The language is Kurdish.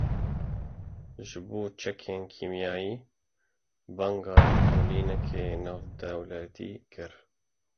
Ji bo çekên kîmyayî banga lêkolîneke navdewletî kir.